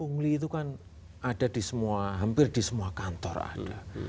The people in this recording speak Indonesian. pungli itu kan ada di semua hampir di semua kantor ada